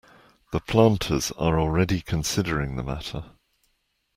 The planters are already considering the matter.